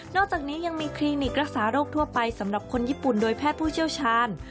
อกจากนี้ยังมีคลินิกรักษาโรคทั่วไปสำหรับคนญี่ปุ่นโดยแพทย์ผู้เชี่ยวชาญ